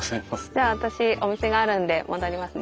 じゃあ私お店があるんで戻りますね。